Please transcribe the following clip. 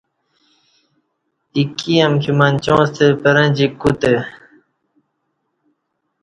ایکی امکی مچاں ستہ پرݩجیک کوتہ